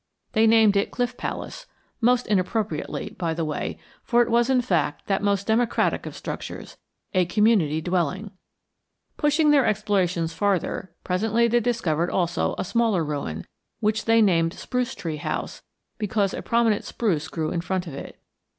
They named it Cliff Palace, most inappropriately, by the way, for it was in fact that most democratic of structures, a community dwelling. Pushing their explorations farther, presently they discovered also a smaller ruin, which they named Spruce Tree House, because a prominent spruce grew in front of it.